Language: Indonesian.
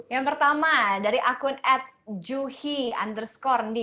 yang pertama dari akun at juhi underscore di